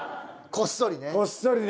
こっそりね！